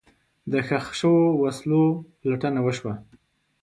د ښخ شوو وسلو پلټنه وشوه.